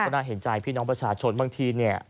น่าเห็นใจพี่น้องประชาชนบางทีเนี่ย